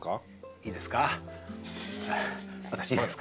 いいですか？